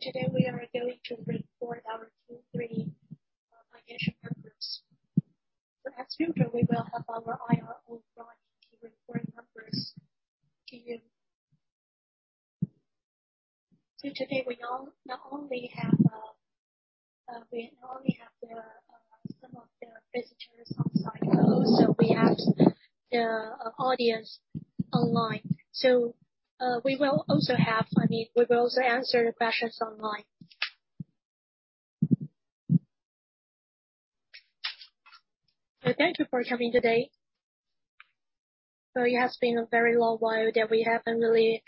Today we are going to report our Q3 financial numbers. As usual, we will have our IRO running the reporting numbers to you. Today we not only have some of the visitors on site, but also we have the audience online. I mean, we will also answer the questions online. Thank you for coming today. It has been a very long while that we haven't really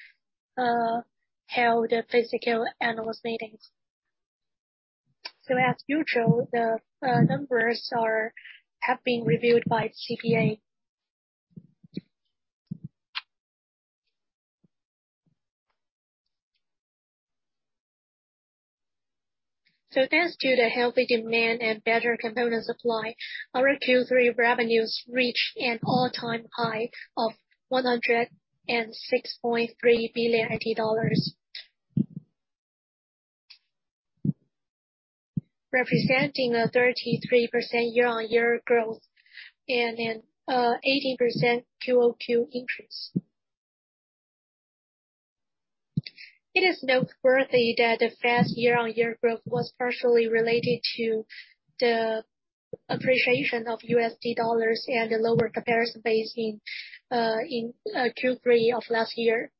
held a physical analyst meeting. As usual, the numbers have been reviewed by CPA. Thanks to the healthy demand and better component supply, our Q3 revenues reached an all-time high of TWD 106.3 billion. Representing a 33% year-on-year growth and an 18% QOQ increase. It is noteworthy that the fast year-on-year growth was partially related to the appreciation of the US dollar and the lower comparison base in Q3 of last year.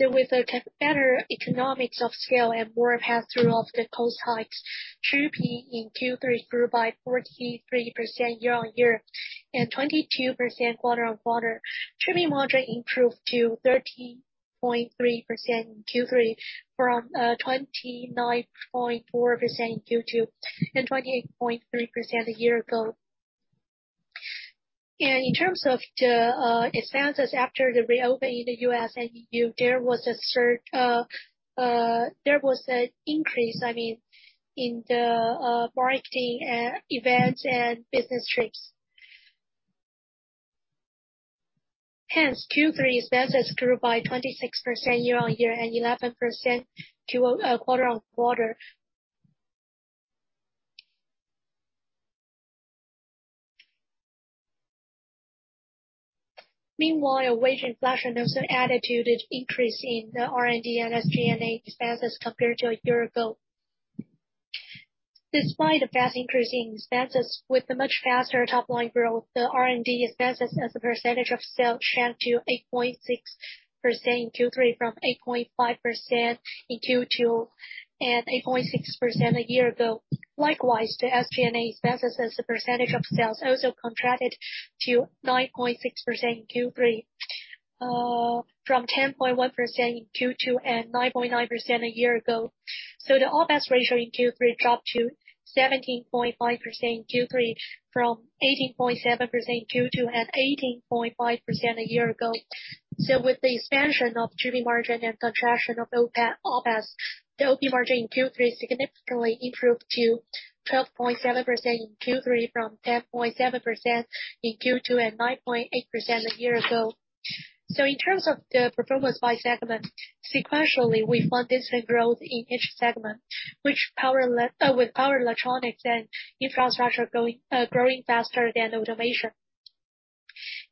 With the better economies of scale and more pass-through of the cost hikes, GP in Q3 grew by 43% year-on-year and 22% quarter-on-quarter. GP margin improved to 13.3% in Q3 from 29.4% in Q2 and 28.3% a year ago. In terms of the expenses after the reopening in the US and EU, there was an increase, I mean, in the marketing events and business trips. Hence, Q3 expenses grew by 26% year-on-year and 11% quarter-on-quarter. Meanwhile, wage inflation also added to the increase in the R&D and SG&A expenses compared to a year ago. Despite the fast increase in expenses with a much faster top-line growth, the R&D expenses as a percentage of sales shrank to 8.6% in Q3 from 8.5% in Q2, and 8.6% a year ago. Likewise, the SG&A expenses as a percentage of sales also contracted to 9.6% in Q3 from 10.1% in Q2 and 9.9% a year ago. The OPEX ratio in Q3 dropped to 17.5% in Q3 from 18.7% in Q2 and 18.5% a year ago. With the expansion of GP margin and contraction of OPEX, the OP margin in Q3 significantly improved to 12.7% in Q3 from 10.7% in Q2 and 9.8% a year ago. In terms of the performance by segment, sequentially, we found decent growth in each segment, with power electronics and infrastructure growing faster than automation.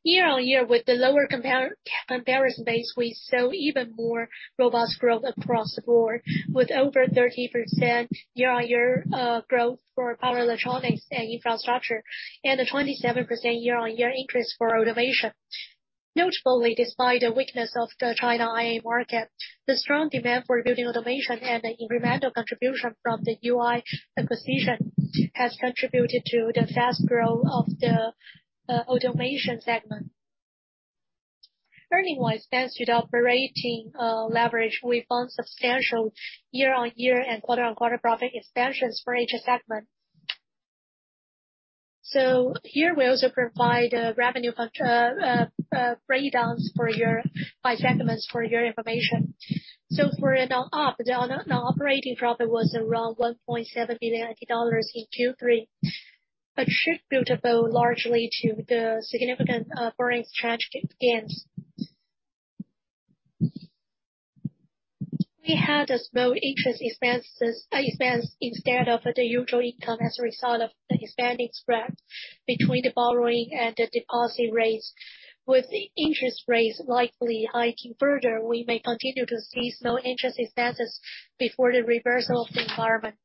Year-on-year, with the lower comparison base, we saw even more robust growth across the board, with over 30% year-on-year growth for power electronics and infrastructure, and a 27% year-on-year increase for automation. Notably, despite the weakness of the China IA market, the strong demand for building automation and the incremental contribution from the UI acquisition has contributed to the fast growth of the automation segment. Earnings-wise, thanks to the operating leverage, we found substantial year-on-year and quarter-on-quarter profit expansions for each segment. Here we also provide revenue breakdowns by segments for your information. For the non-operating profit was around TWD 1.7 billion in Q3, attributable largely to the significant foreign exchange gains. We had a small interest expense instead of the usual income as a result of the expanding spread between the borrowing and the deposit rates. With the interest rates likely hiking further, we may continue to see small interest expenses before the reversal of the environment.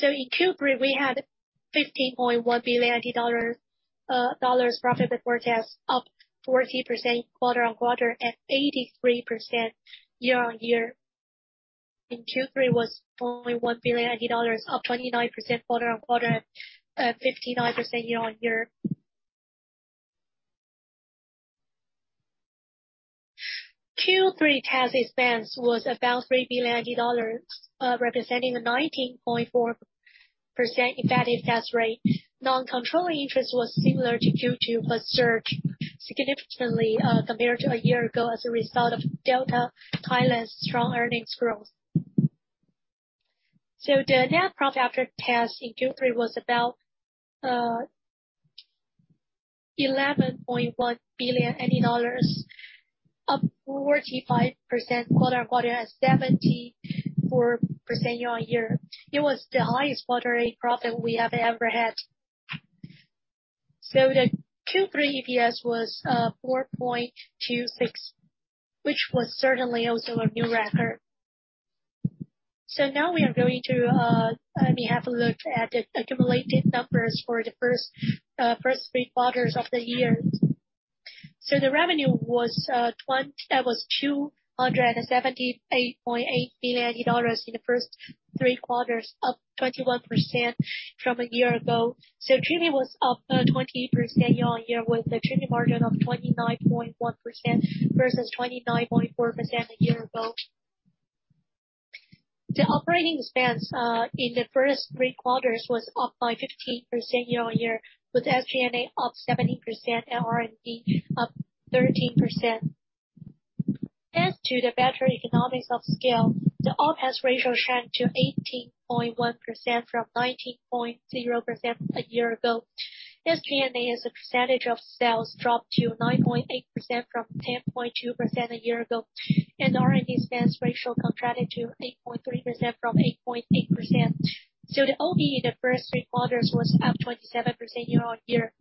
In Q3, we had 15.1 billion dollars profit before tax, up 40% quarter-on-quarter and 83% year-on-year. In Q3 was 0.1 billion dollars, up 29% quarter-on-quarter, 59% year-on-year. Q3 tax expense was about 3 billion dollars, representing a 19.4% effective tax rate. Non-controlling interest was similar to Q2, but surged significantly compared to a year ago as a result of Delta Thailand's strong earnings growth. The net profit after tax in Q3 was about TWD 11.1 billion, up 45% quarter-over-quarter and 74% year-over-year. It was the highest quarterly profit we have ever had. The Q3 EPS was 4.26, which was certainly also a new record. Now we are going to let me have a look at the accumulated numbers for the first three quarters of the year. The revenue was 278.8 billion dollars in the first three quarters, up 21% from a year ago. GP was up 20% year-over-year, with a GP margin of 29.1% versus 29.4% a year ago. Operating expenses in the first three quarters was up by 15% year-over-year, with SG&A up 17% and R&D up 13%. Thanks to the better economies of scale, the OPEX ratio shrank to 18.1% from 19.0% a year ago. SG&A, as a percentage of sales, dropped to 9.8% from 10.2% a year ago. R&D spend ratio contracted to 8.3% from 8.8%. OP in the first three quarters was up 27% year-over-year,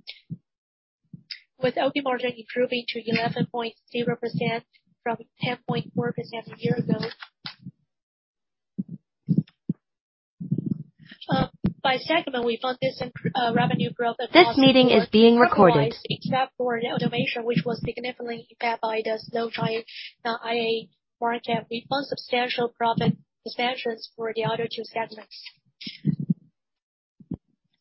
with OP margin improving to 11.0% from 10.4% a year ago. By segment, we found this increase in revenue growth. This meeting is being recorded. Otherwise, except for automation, which was significantly impacted by the slowdown in the IA market, we saw substantial profit expansions for the other two segments.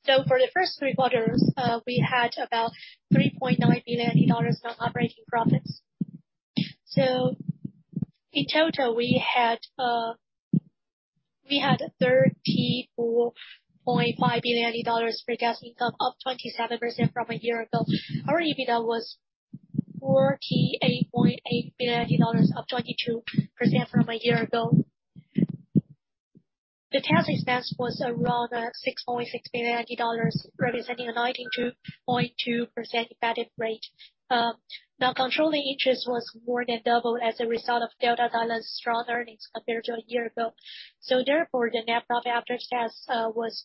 For the first three quarters, we had about 3.9 billion dollars non-operating profits. In total, we had 34.5 billion dollars pre-tax income, up 27% from a year ago. Our EBITDA was TWD 48.8 billion, up 22% from a year ago. The tax expense was around 6.6 billion dollars, representing a 92.2% effective rate. Now controlling interest was more than double as a result of Delta Thailand's strong earnings compared to a year ago. The net profit after tax was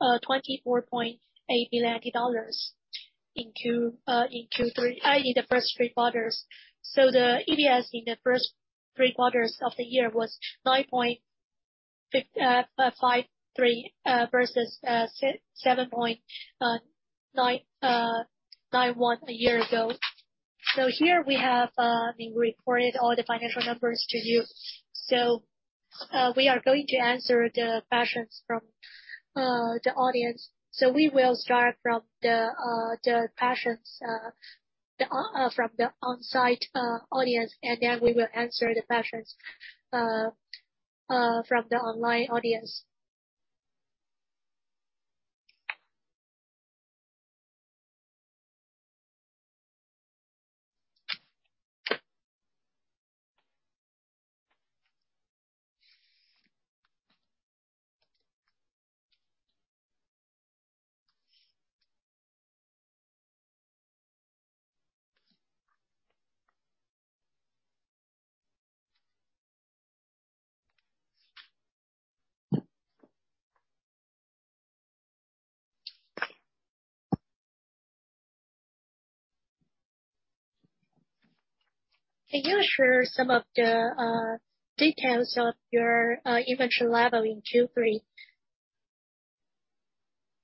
TWD 24.8 billion in Q3, i.e. the first three quarters. The EPS in the first three quarters of the year was 9.53 versus 7.991 a year ago. Here we have reported all the financial numbers to you. We are going to answer the questions from the audience. We will start from the questions from the on-site audience, and then we will answer the questions from the online audience. Can you share some of the details of your inventory level in Q3?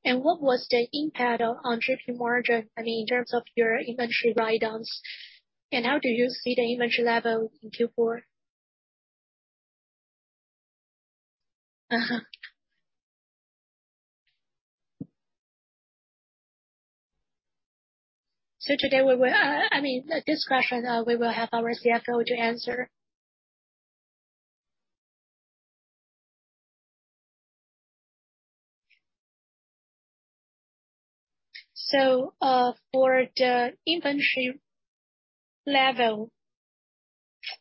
And what was the impact on GP margin, I mean, in terms of your inventory write-downs? How do you see the inventory level in Q4? I mean, this question we will have our CFO to answer. For the inventory level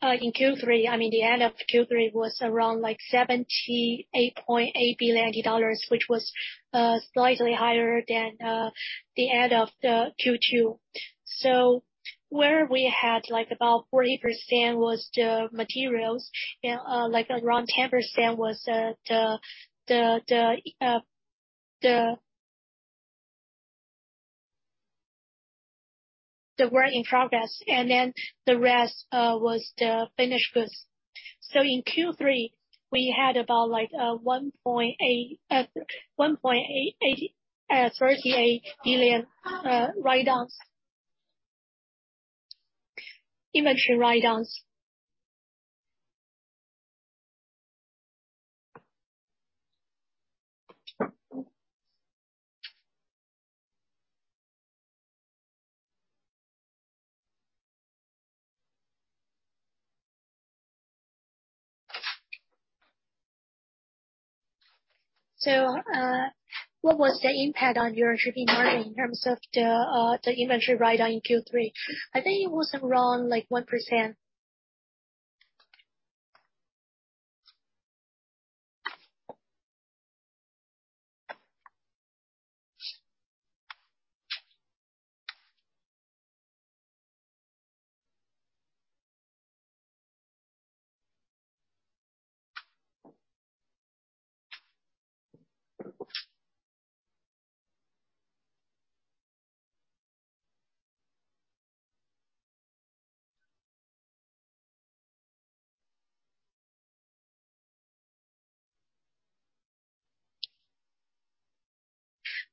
in Q3, I mean, the end of Q3 was around, like, 78.8 billion dollars, which was slightly higher than the end of Q2. Where we had, like, about 40% was the materials and, like, around 10% was the work in progress, and then the rest was the finished goods. In Q3, we had about, like, 1.88 billion inventory write-downs. What was the impact on your gross margin in terms of the inventory write-down in Q3? I think it was around like 1%.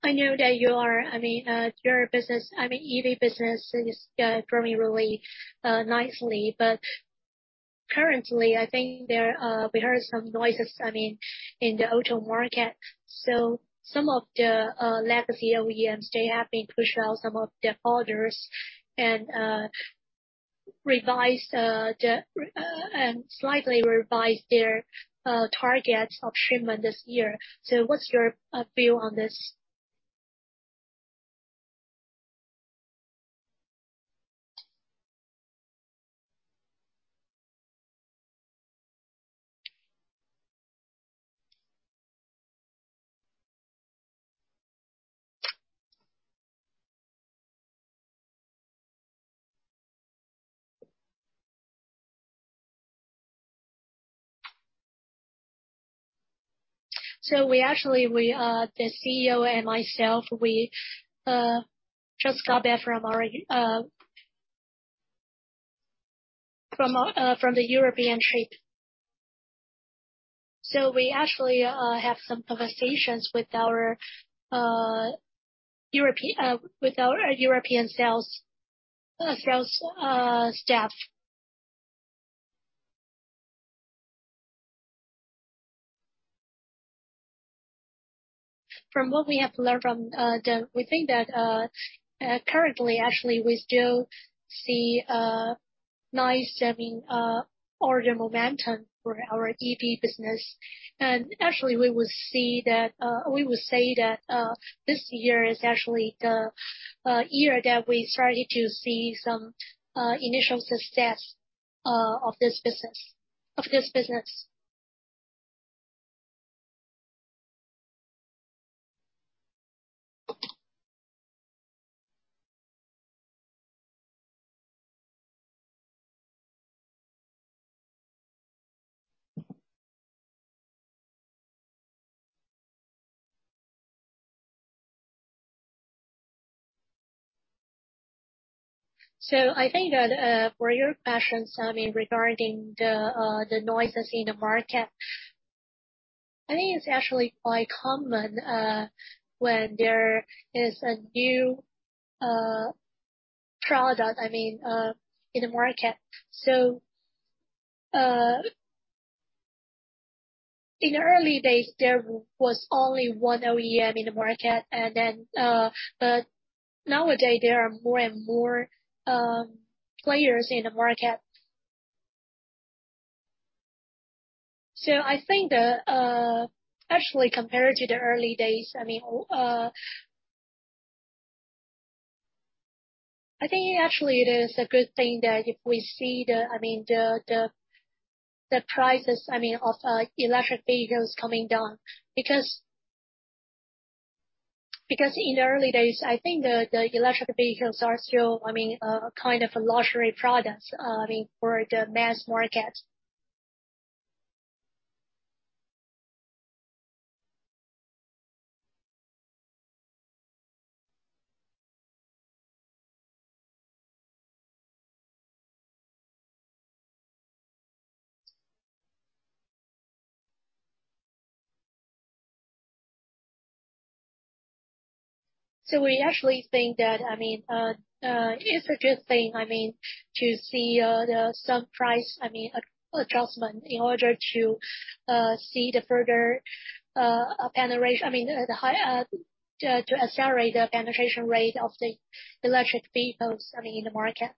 I know, I mean, your business, I mean, EV business is growing really nicely. Currently, I think we heard some noises, I mean, in the auto market. Some of the legacy OEMs, they have been pushing out some of their orders and slightly revised their targets of shipment this year. What's your view on this? We actually, the CEO and myself, just got back from our European trip. We actually have some conversations with our European sales staff. From what we have learned, we think that currently, actually, we still see a nice, I mean, order momentum for our EV business. Actually, this year is actually the year that we started to see some initial success of this business. I think that for your questions, I mean, regarding the noises in the market. I think it's actually quite common when there is a new product, I mean, in the market. In the early days, there was only one OEM in the market. Nowadays there are more and more players in the market. I think that actually compared to the early days, I mean, I think actually it is a good thing that if we see the I mean, the prices of electric vehicles coming down because in the early days, I think the electric vehicles are still I mean, kind of a luxury product I mean, for the mass market. We actually think that I mean, it's a good thing I mean, to see some price adjustment in order to see the further penetration. I mean, to accelerate the penetration rate of the electric vehicles I mean, in the market.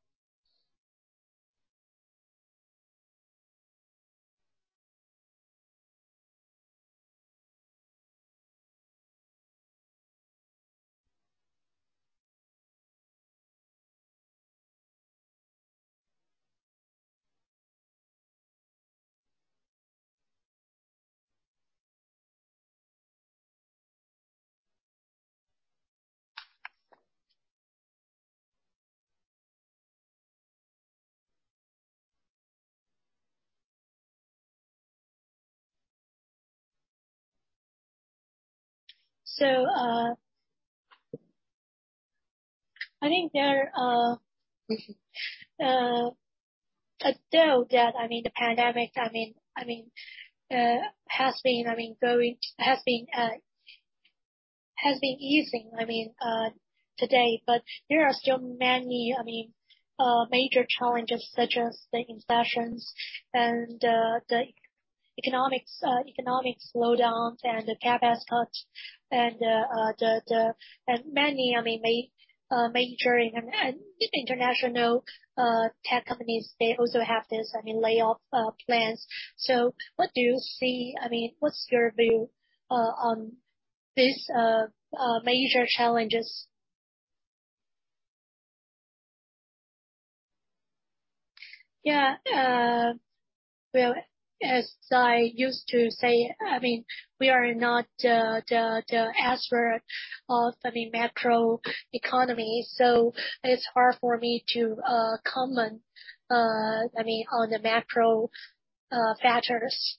I think that though the pandemic I mean, has been easing I mean, today. There are still many, I mean, major challenges such as the inflation and the economic slowdowns and the capex cuts. Many major international tech companies, they also have this layoff plans. What do you see? I mean, what's your view on these major challenges? Yeah. Well, as I used to say, I mean, we are not the expert of any macro economy, so it's hard for me to comment, I mean, on the macro factors.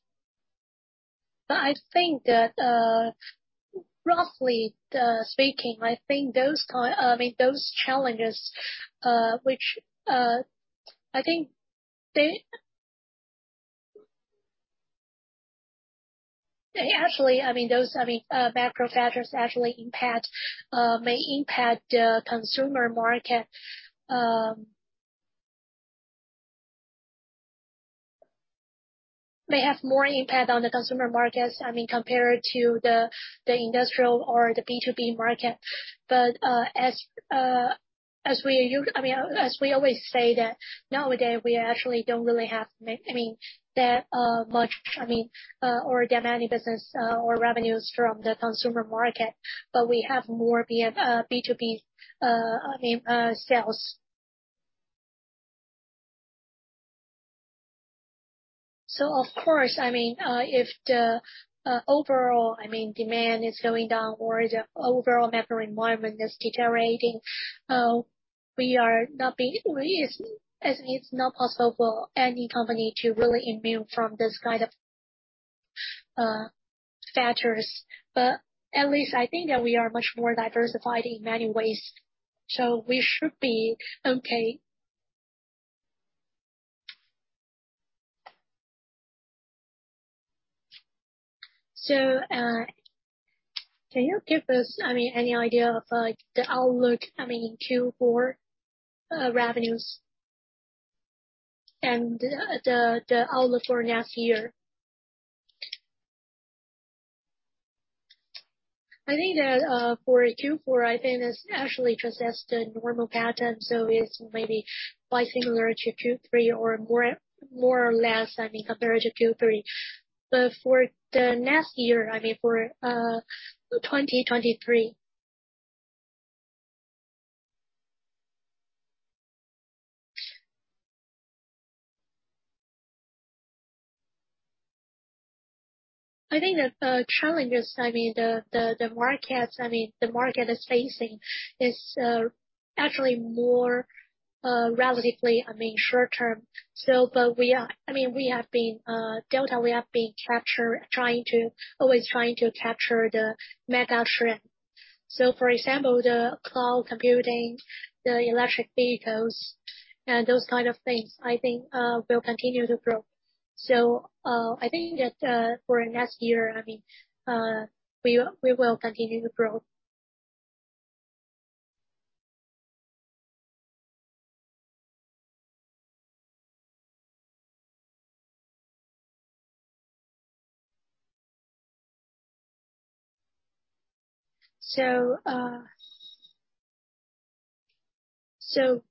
I think that, roughly speaking, actually, I mean, those macro factors actually may impact the consumer market. May have more impact on the consumer markets, I mean, compared to the industrial or the B2B market. As we always say that nowadays, we actually don't really have that much or that many business or revenues from the consumer market, but we have more B2B sales. Of course, if the overall demand is going down or the overall macro environment is deteriorating, we are not immune, as it's not possible for any company to really be immune from this kind of factors. At least I think that we are much more diversified in many ways, so we should be okay. Can you give us, I mean, any idea of, like, the outlook, I mean, in Q4, revenues and the outlook for next year? I think that for Q4, I think it's actually just as the normal pattern, so it's maybe quite similar to Q3 or more or less, I mean, compared to Q3. For the next year, I mean, for 2023. I think the challenges, I mean, the markets, I mean, the market is facing actually more relatively, I mean, short term. We have been, Delta, always trying to capture the mega trend. For example, the cloud computing, the electric vehicles and those kind of things, I think, will continue to grow. I think that, for next year, I mean, we will continue to grow.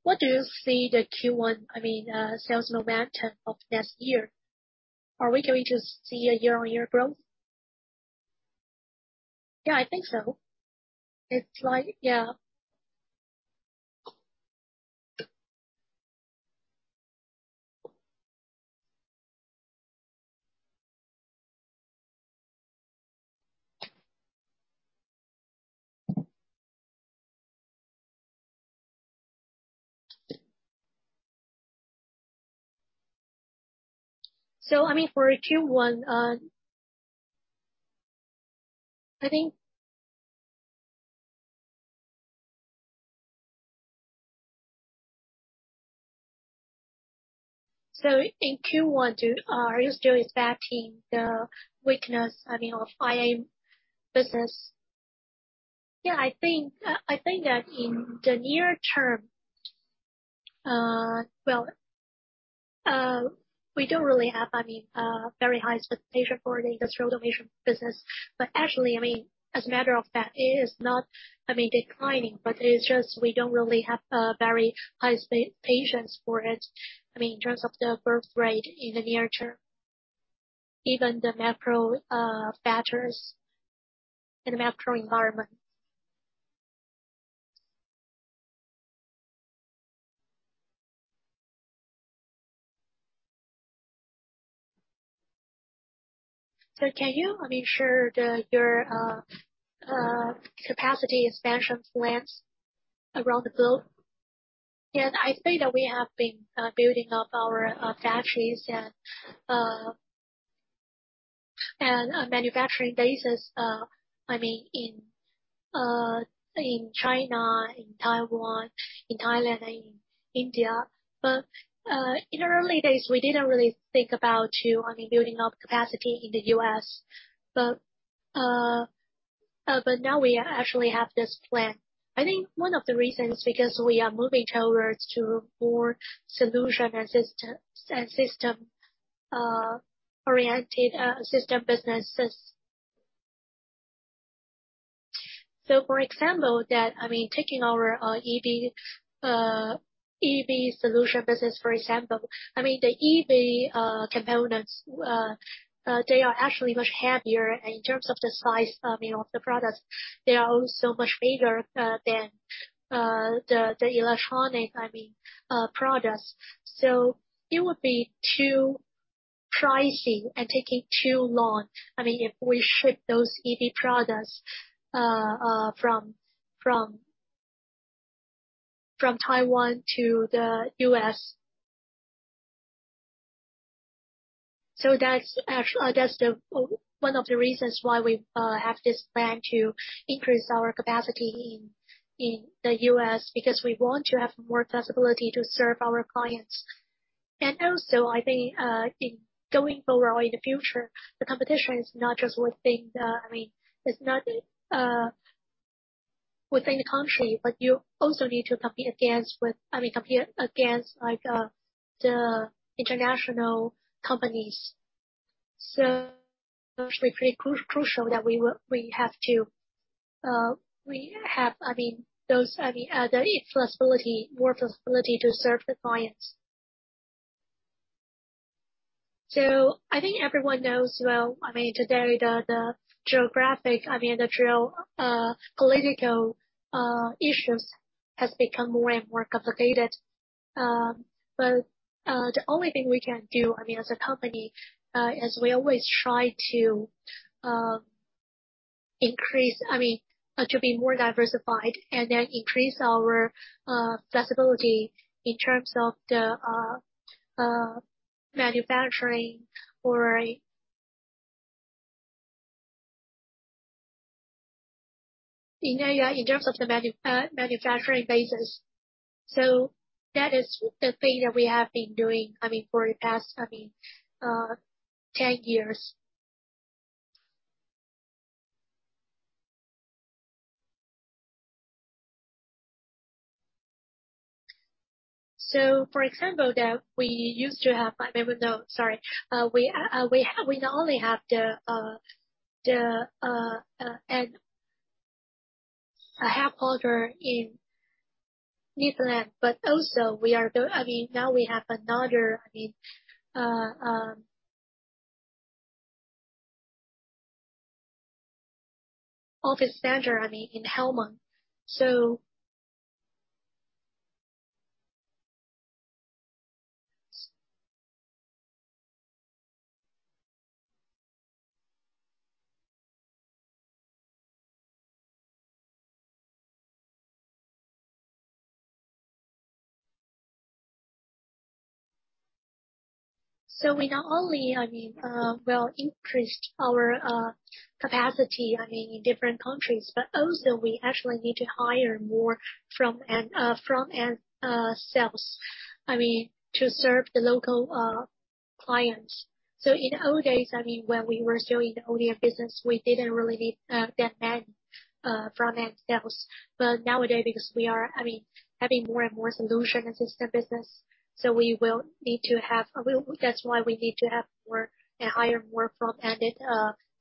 What do you see the Q1, I mean, sales momentum of next year? Are we going to see a year-on-year growth? Yeah, I think so. It's like. Yeah. I mean, for Q1. I think. In Q1, are you still expecting the weakness, I mean, of IA business? Yeah, I think that in the near term, well, we don't really have, I mean, very high expectations for the industrial automation business, but actually, I mean, as a matter of fact, it is not, I mean, declining, but it is just we don't really have very high expectations for it, I mean, in terms of the growth rate in the near term, given the macro factors and the macro environment. So can you, I mean, share your capacity expansion plans around the globe? Yes. I'd say that we have been building up our factories and manufacturing bases, I mean, in China, in Taiwan, in Thailand and India. In the early days, we didn't really think about to, I mean, building up capacity in the U.S. Now we actually have this plan. I think one of the reasons because we are moving towards to more solution and system oriented system businesses. For example, I mean, taking our EV solution business, for example. I mean, the EV components they are actually much heavier in terms of the size, I mean, of the product. They are also much bigger than the electronic, I mean, products. It would be too pricey and taking too long, I mean, if we ship those EV products from Taiwan to the U.S. That's the one of the reasons why we have this plan to increase our capacity in the U.S. because we want to have more flexibility to serve our clients. I think in going forward in the future, the competition is not just within the country, but you also need to compete against like the international companies. It's actually pretty crucial that we have to have the flexibility, more flexibility to serve the clients. I think everyone knows, well, I mean, today the geopolitical issues has become more and more complicated. The only thing we can do, I mean, as a company, is we always try to increase, I mean, to be more diversified and then increase our flexibility in terms of the manufacturing or in terms of the manufacturing basis. that is the thing that we have been doing, I mean, for the past, I mean, 10 years. For example, we not only have a hub order in New Zealand, but also now we have another, I mean, office center, I mean, in Helmond. We not only, I mean, well, increased our capacity, I mean, in different countries, but also we actually need to hire more from front-end sales, I mean, to serve the local clients. In the old days, I mean, when we were still in the OEM business, we didn't really need that many front-end sales. Nowadays, because we are, I mean, having more and more solution and system business, we will need to have. That's why we need to have more and hire more front-ended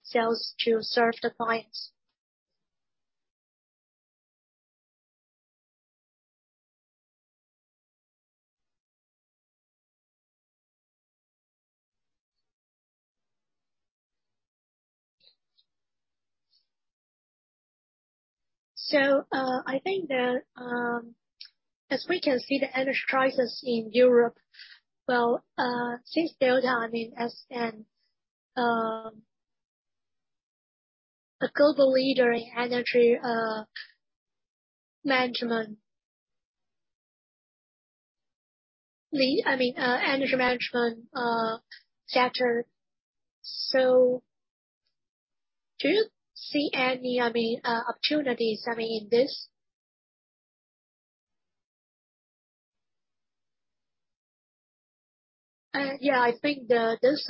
sales to serve the clients. I think that, as we can see the energy crisis in Europe, well, since Delta is a global leader in energy management sector. Do you see any opportunities in this? Yeah, I think this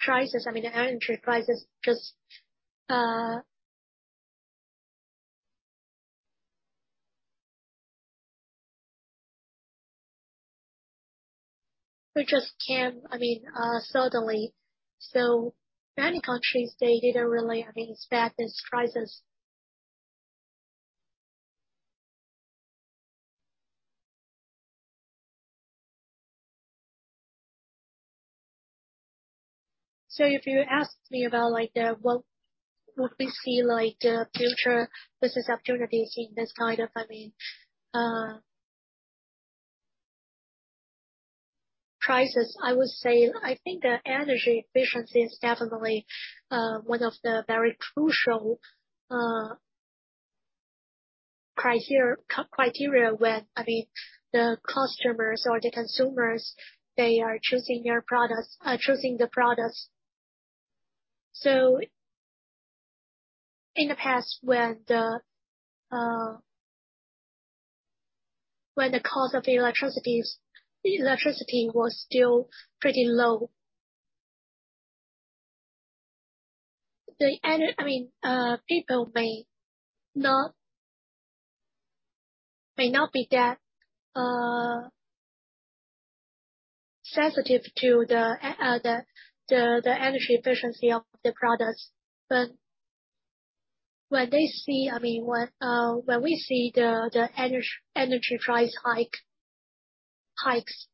crisis, the energy crisis just came suddenly. Many countries, they didn't really expect this crisis. If you asked me about like the what would we see like the future business opportunities in this kind of crisis. I would say, I think that energy efficiency is definitely one of the very crucial criteria when, I mean, the customers or the consumers, they are choosing your products, are choosing the products. In the past, when the cost of electricity was still pretty low. I mean, people may not be that sensitive to the energy efficiency of the products. When they see, I mean, when we see the energy price hikes,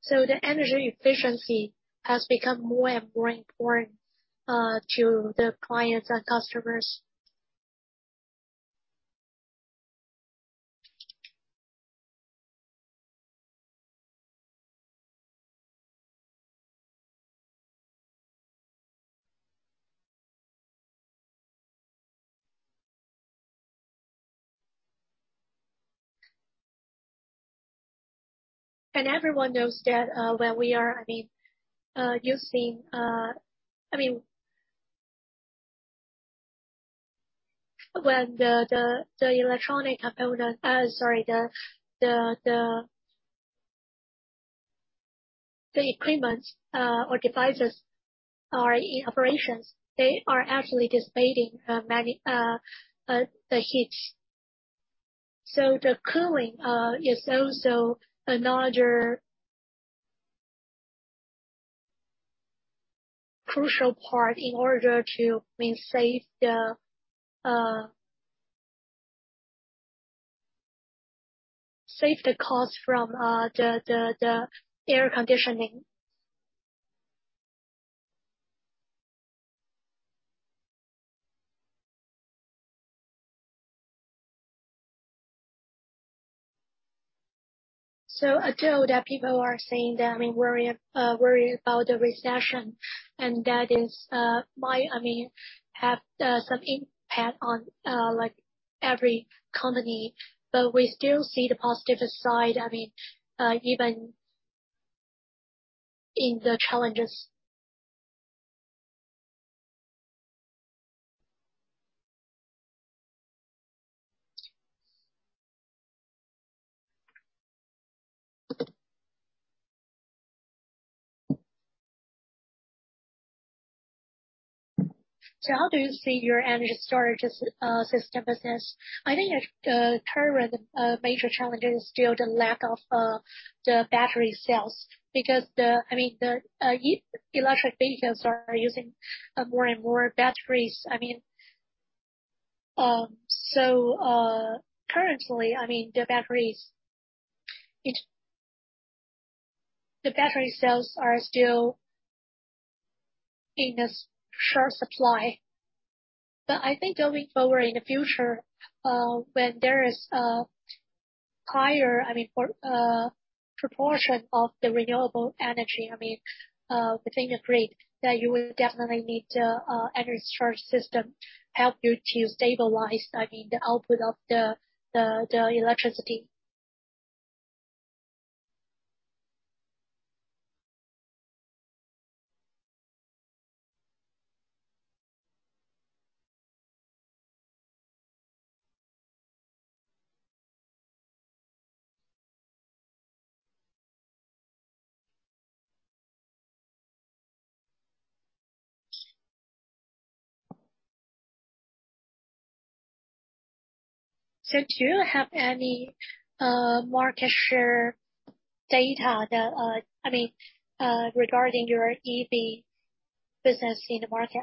so the energy efficiency has become more and more important to the clients and customers. Everyone knows that, when we are, I mean, using, I mean. When the equipment or devices are in operations, they are actually dissipating the heat. The cooling is also another crucial part in order to, I mean, save the cost from the air conditioning. I know that people are saying they're worried about the recession, and that might, I mean, have some impact on like every company. We still see the positive side, I mean, even in the challenges. How do you see your energy storage system business? I think your current major challenge is still the lack of the battery cells. Because I mean the electric vehicles are using more and more batteries. I mean, currently, I mean, the batteries, the battery cells are still in a short supply. I think going forward in the future, when there is higher proportion of the renewable energy within the grid, that you will definitely need an energy storage system to help you stabilize the output of the electricity. Do you have any market share data, I mean, regarding your EV business in the market?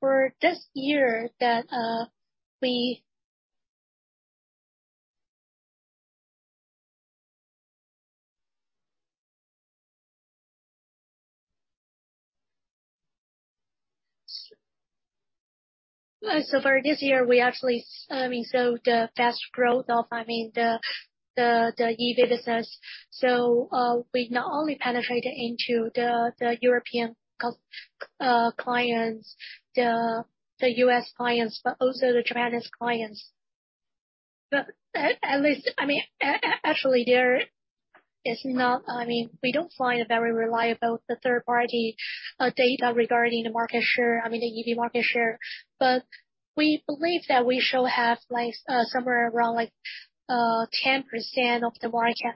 For this year, we actually, I mean, saw the fast growth of, I mean, the EV business. We not only penetrated into the European customers, the US clients, but also the Chinese clients. Actually, there is not. I mean, we don't find very reliable third-party data regarding the market share, I mean, the EV market share. We believe that we should have, like, somewhere around, like, 10% of the market.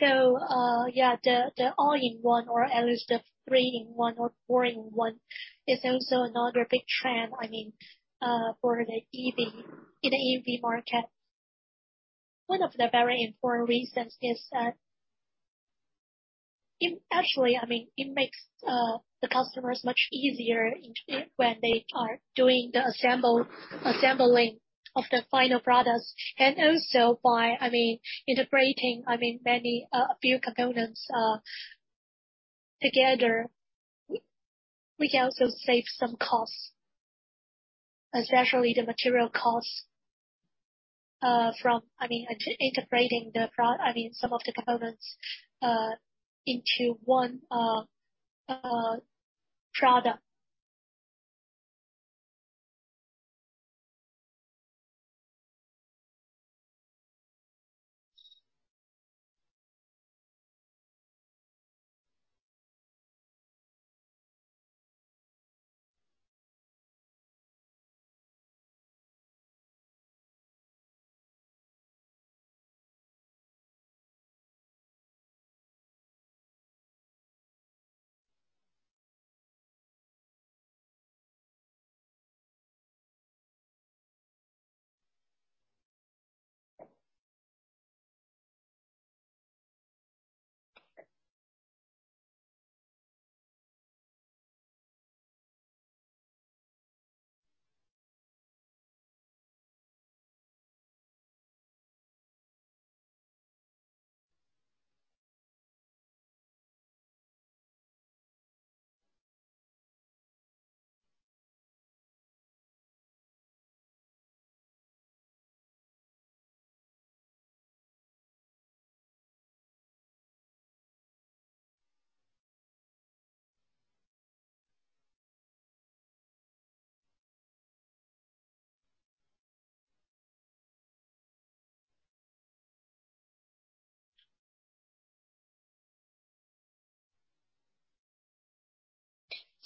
Yeah. The all-in-one, or at least the three-in-one or four-in-one, is also another big trend, I mean, for the EV, in the EV market. One of the very important reasons is that actually, I mean, it makes the customers much easier when they are doing the assembling of the final products. Also by, I mean, integrating, I mean, fewer components together, we can also save some costs, especially the material costs, from, I mean, integrating the prod I mean, some of the components into one product.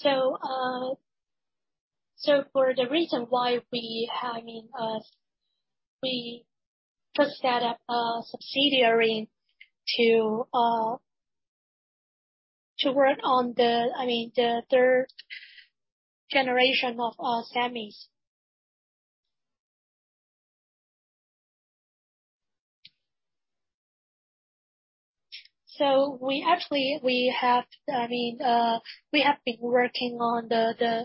For the reason why we, I mean, we first set up a subsidiary to work on the, I mean, the third-generation semis. We actually have been working on the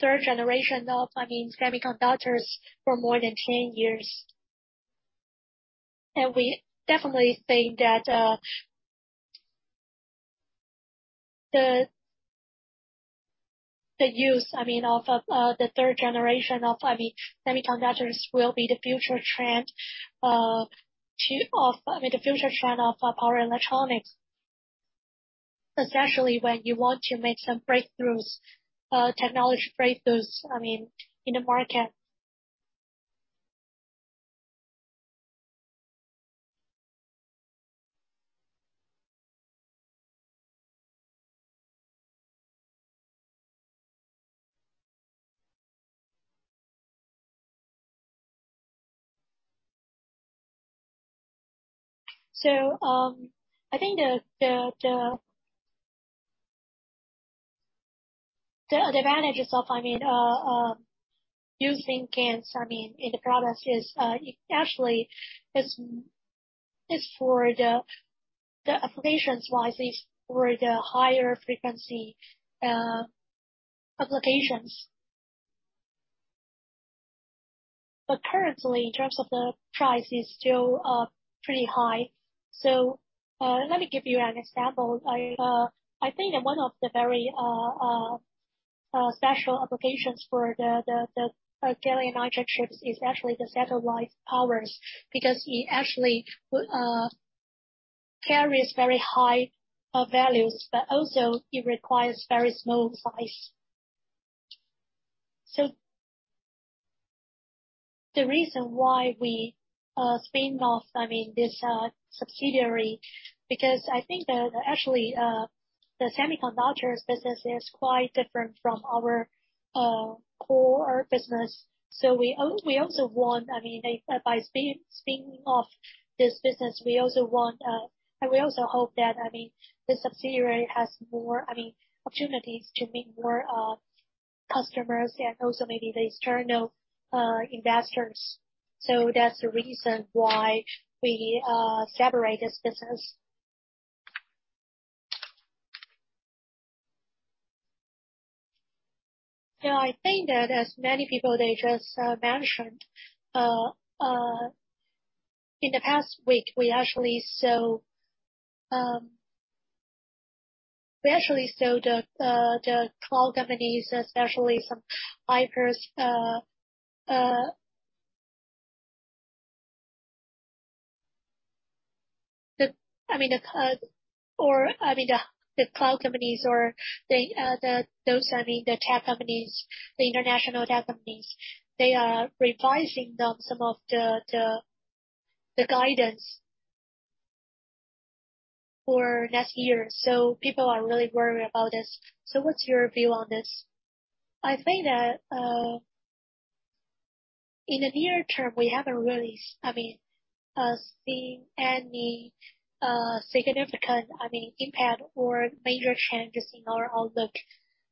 third-generation semiconductors for more than 10 years. We definitely think that the use of the third-generation semiconductors will be the future trend of power electronics, especially when you want to make some technology breakthroughs, I mean, in the market. I think the advantages of, I mean, using GaNs, I mean, in the products is, it actually is for the application-wise for the higher frequency applications. Currently, in terms of the price is still pretty high. Let me give you an example. I think that one of the very special applications for the gallium nitride chips is actually the satellite power supplies, because it actually carries very high values, but also it requires very small size. The reason why we spin off this subsidiary, because I think that actually the semiconductors business is quite different from our core business. We also want, I mean, by spinning off this business, and we also hope that, I mean, the subsidiary has more, I mean, opportunities to meet more customers and also maybe the external investors. That's the reason why we separate this business. Yeah, I think that as many people they just mentioned in the past week, we actually saw the cloud companies, especially some hypers. I mean, the cloud companies or the tech companies, the international tech companies, they are revising some of the guidance for next year. People are really worried about this. What's your view on this? I think that in the near term, we haven't really, I mean, seen any significant, I mean, impact or major changes in our outlook.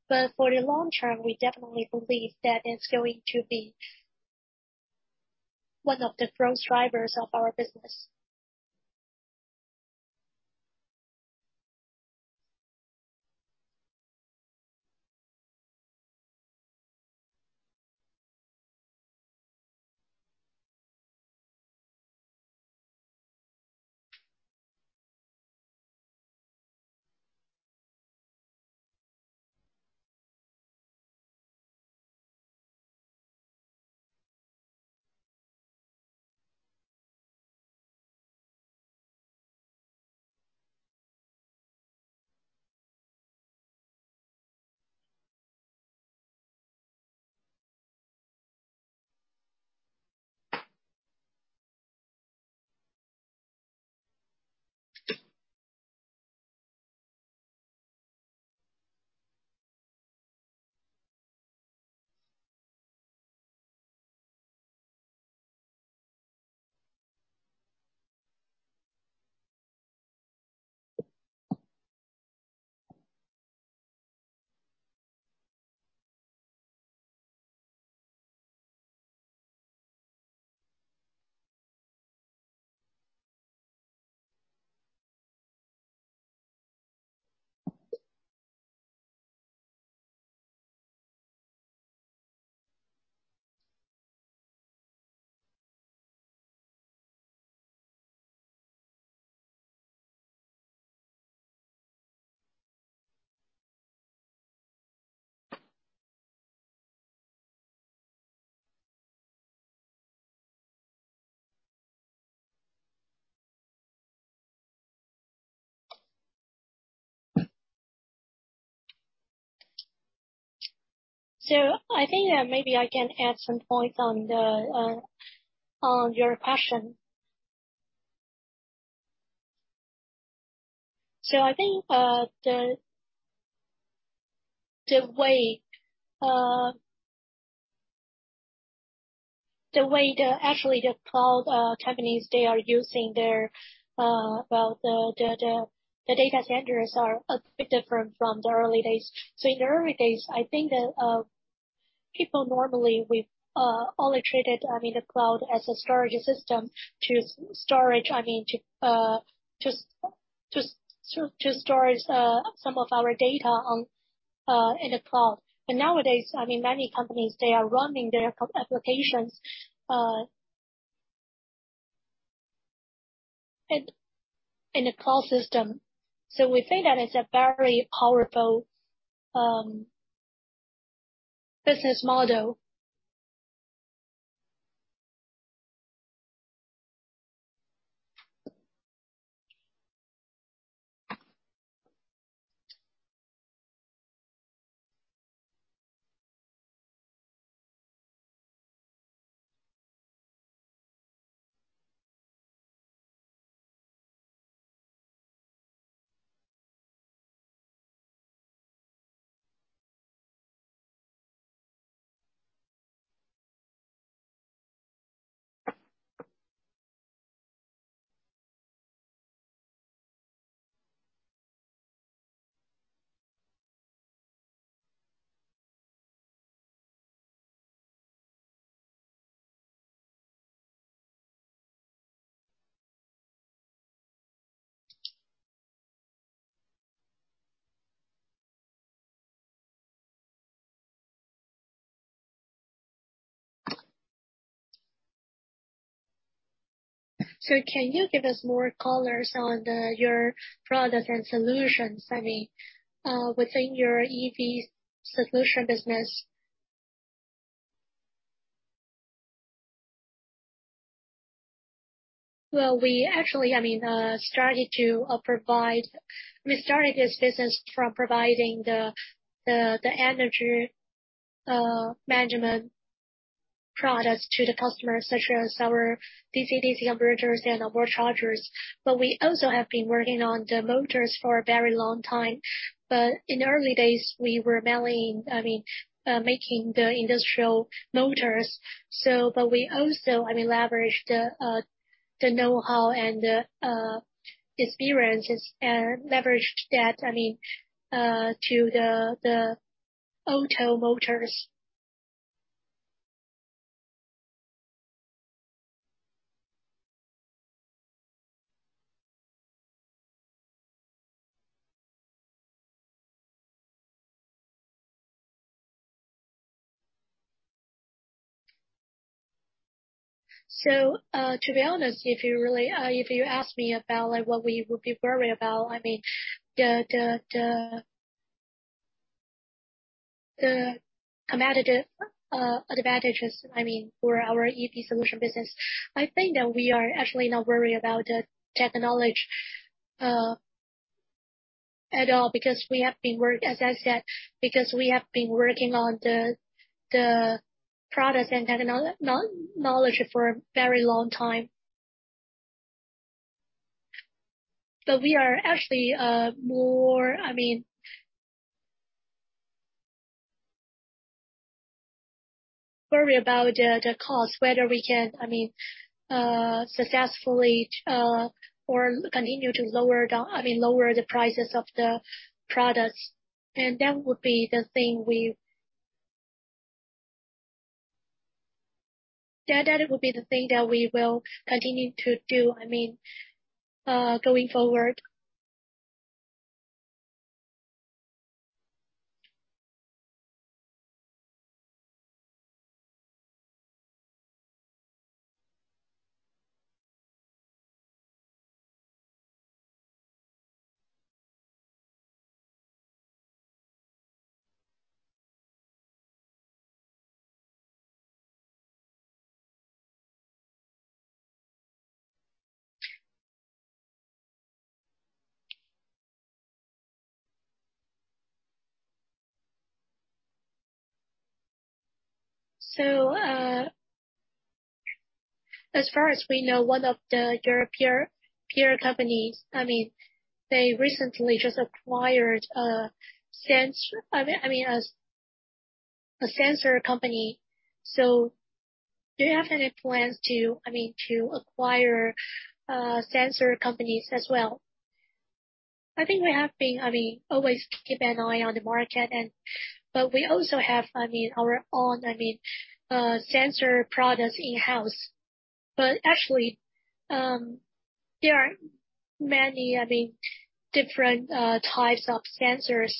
For the long term, we definitely believe that it's going to be one of the growth drivers of our business. I think that maybe I can add some points on the on your question. I think the way the actually the cloud companies they are using their well the data centers are a bit different from the early days. In the early days, I think that people normally we've only treated, I mean, the cloud as a storage system to storage, I mean to to store some of our data on in the cloud. Nowadays, I mean many companies, they are running their applications in the cloud system. We think that is a very powerful business model. Can you give us more colors on your products and solutions? I mean, within your EV solution business. Well, we actually, I mean, started this business from providing the energy management products to the customers, such as our DC-DC inverters and our on-board chargers. We also have been working on the motors for a very long time. In the early days, we were mainly, I mean, making the industrial motors. We also, I mean, leveraged the know-how and the experiences and leveraged that, I mean, to the auto motors. To be honest, if you really... If you ask me about, like, what we would be worried about, I mean the competitive advantages, I mean, for our EV solution business, I think that we are actually not worried about the technology at all because we have been working on the products and technology knowledge for a very long time. We are actually more, I mean, worried about the cost, whether we can, I mean, successfully or continue to lower down, I mean, lower the prices of the products. That would be the thing that we will continue to do, I mean, going forward. As far as we know, one of your peer companies, I mean, they recently just acquired a sensor company. Do you have any plans to, I mean, to acquire sensor companies as well? I think we have been, I mean, always keep an eye on the market and. We also have, I mean, our own, I mean, sensor products in-house. Actually, there are many, I mean, different types of sensors.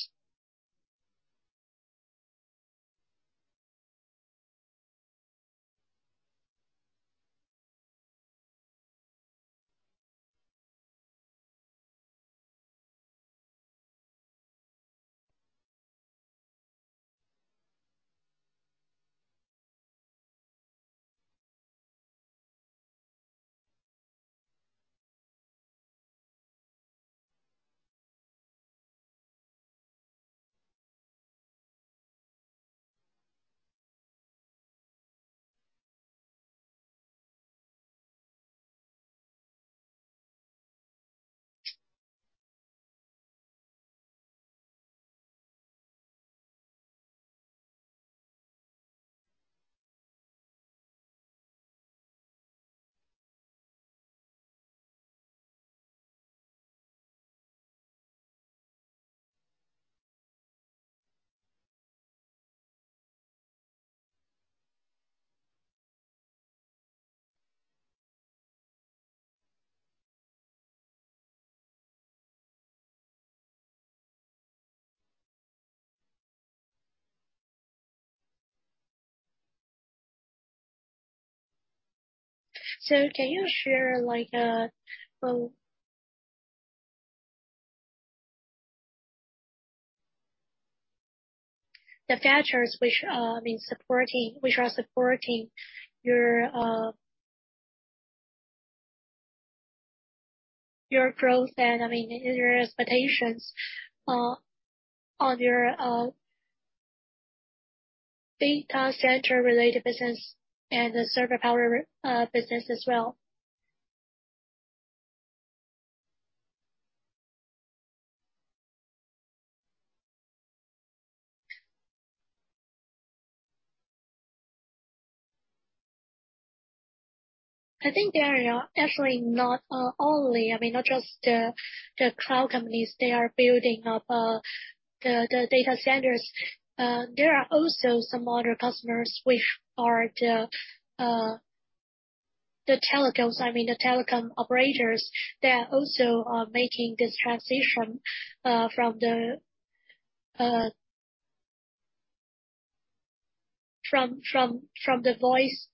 Can you share, like, well, the factors which are supporting your growth and, I mean, your expectations on your data center related business and the server power business as well. I think there are actually not only, I mean, not just the cloud companies, they are building up the data centers. There are also some other customers which are the telecoms, I mean, the telecom operators. They are also making this transition from the voice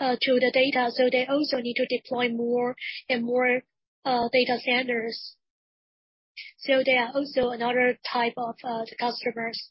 to the data. They also need to deploy more and more data centers. They are also another type of the customers.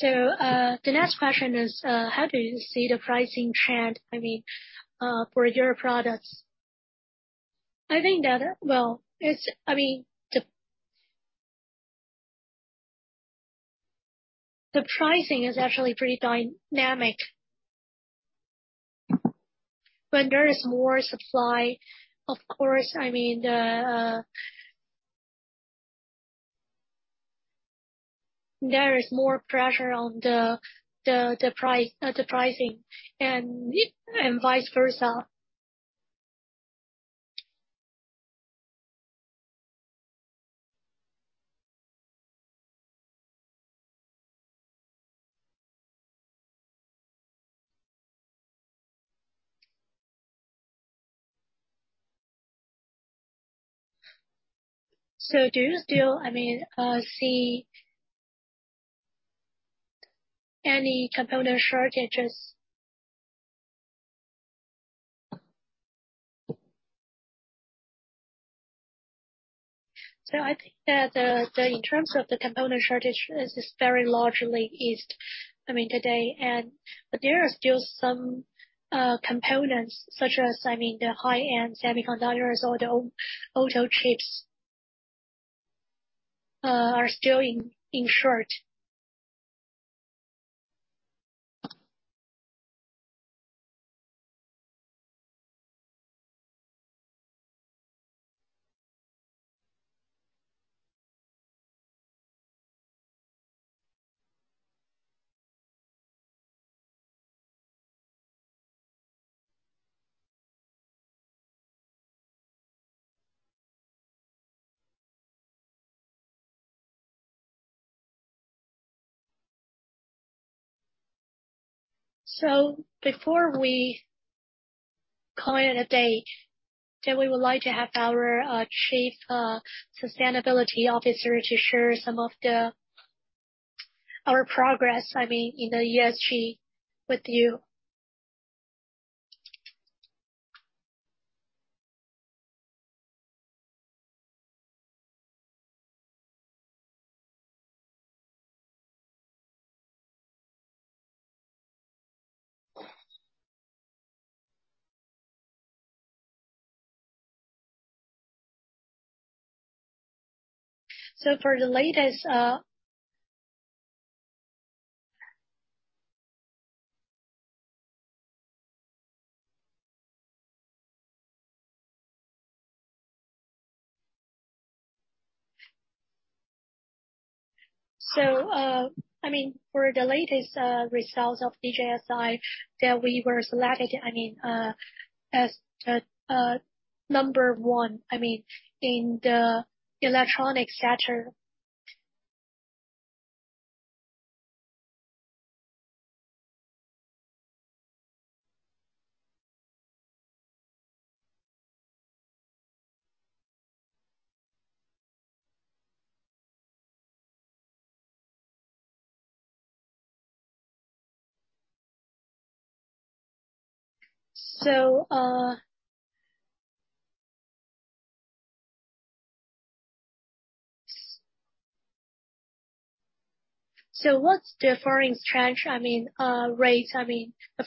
The next question is how do you see the pricing trend, I mean, for your products? I think that the pricing is actually pretty dynamic. When there is more supply, of course, I mean, the There is more pressure on the pricing and vice versa. Do you still, I mean, see any component shortages? I think that in terms of the component shortage is very largely eased, I mean, today. But there are still some components such as, I mean, the high-end semiconductors or the automotive chips are still in short. Before we call it a day, then we would like to have our chief sustainability officer to share some of our progress, I mean, in the ESG with you. For the latest results of DJSI that we were selected, I mean, as the number one, I mean, in the electronic sector. What's the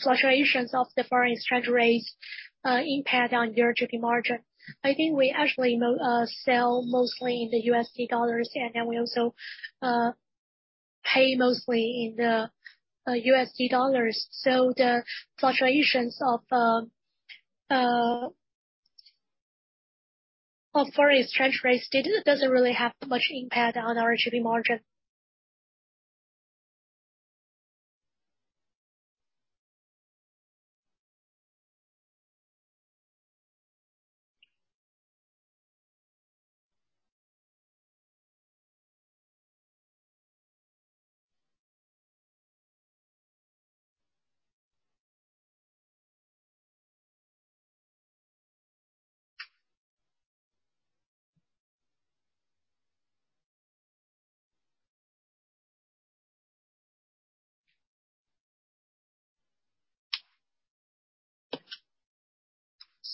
fluctuations of the foreign exchange rates impact on your GP margin? I think we actually sell mostly in the USD dollars, and then we also pay mostly in the USD dollars. The fluctuations of foreign exchange rates doesn't really have much impact on our GP margin.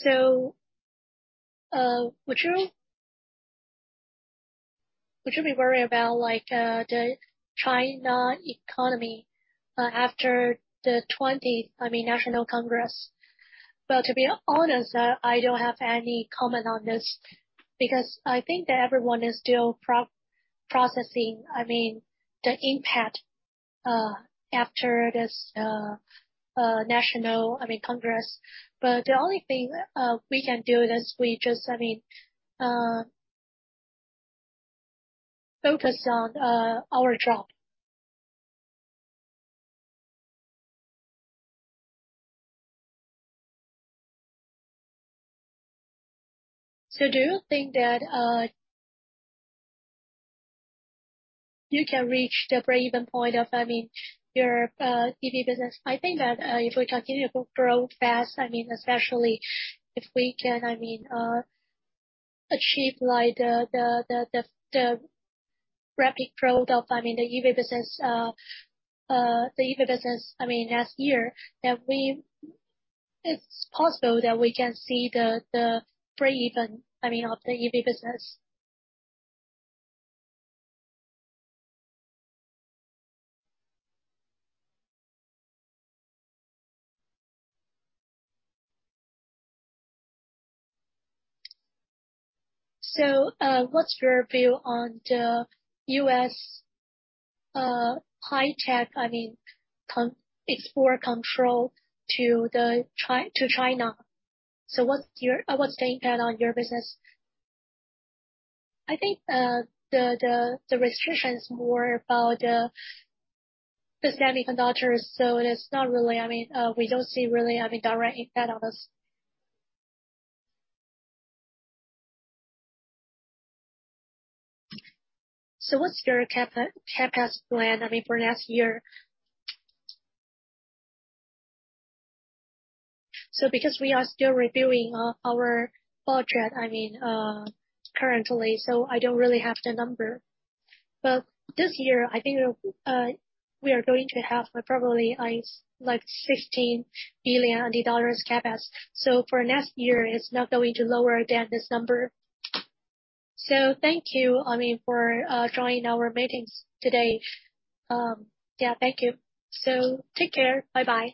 Would you be worried about the China economy after the 20th National Congress? Well, to be honest, I don't have any comment on this, because I think that everyone is still processing the impact after this National Congress. The only thing we can do is we just, I mean, focus on our job. Do you think that you can reach the breakeven point of your EV business? I think that if we continue to grow fast, I mean, especially if we can achieve like the rapid growth of the EV business last year, then it's possible that we can see the breakeven, I mean, of the EV business. What's your view on the U.S. high tech export control to China? What's the impact on your business? I think the restriction is more about the semiconductors, so it is not really. I mean, we don't see really direct impact on us. What's your capex plan, I mean, for next year? Because we are still reviewing our budget, I mean, currently, so I don't really have the number. But this year, I think, we are going to have, probably, like 15 billion dollars capex. For next year, it's not going to lower than this number. Thank you, I mean, for joining our meetings today. Yeah, thank you. Take care. Bye-bye.